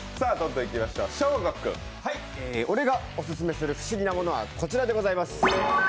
俺がオススメする不思議なものはこちらです。